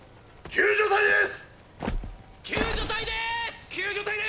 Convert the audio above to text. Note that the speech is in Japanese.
救助隊です！！